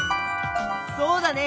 そうだね！